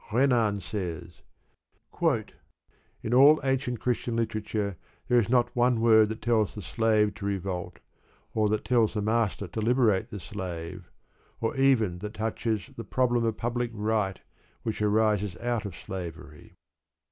Renan says: In all ancient Christian literature there is not one word that tells the slave to revolt, or that tells the master to liberate the slave, or even that touches the problem of public right which arises out of slavery.